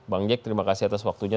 bang jack terima kasih atas waktunya